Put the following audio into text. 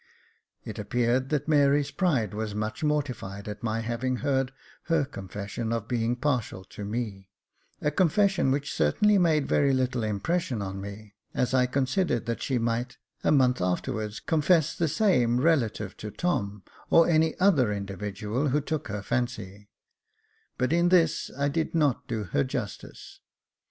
It appeared that Mary's pride was much mortified at my having heard her confession of Jacob Faithful 293 being partial to me — a confession which certainly made very little impression on me, as I considered that she might, a month afterwards, confess the same relative to Tom, or any other individual who took her fancy ; but in this I did not do her justice.